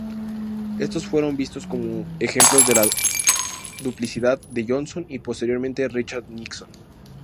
Estos fueron vistos como ejemplos de la duplicidad de Johnson y posteriormente Richard Nixon.